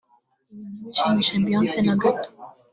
ibi ntibishimishe Beyonce na gato